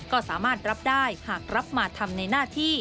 ก็สามารถรับได้หากรับมาทำในหน้าที่